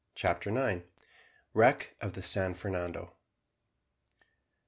CHAPTER NINE. WRECK OF THE SAN FERNANDO.